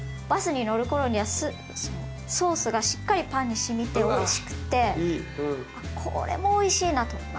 バスに乗る頃にはソースがしっかりパンに染みておいしくてこれもおいしいなと。